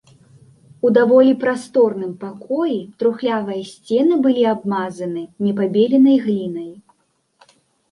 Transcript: У даволі прасторным пакоі трухлявыя сцены былі абмазаны непабеленай глінай.